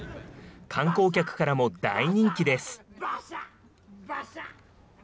観光客からも大人気です。